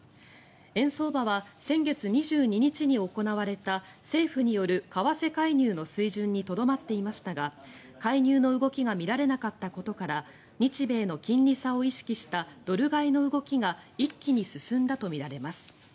円相場は、先月２２日に行われた政府による為替介入の水準にとどまっていましたが介入の動きが見られなかったことから日米の金利差を意識したドル買いの動きが一気に進んだとみられます。